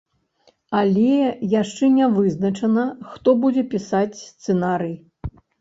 Але яшчэ не вызначана, хто будзе пісаць сцэнарый.